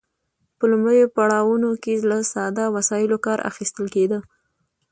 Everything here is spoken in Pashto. په لومړیو پړاوونو کې له ساده وسایلو کار اخیستل کیده.